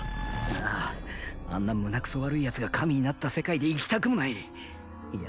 あああんな胸くそ悪いやつが神になった世界で生きたくもないいや